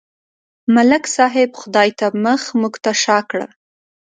ملک صاحب خدای ته مخ، موږ ته شا کړه.